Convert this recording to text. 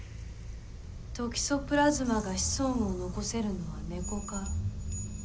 トキソプラズマが子孫を残せるのはネコ科。